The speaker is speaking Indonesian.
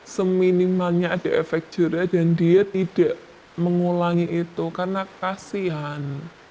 seminimalnya ada efek jerah dan dia tidak mengulangi itu karena kasihan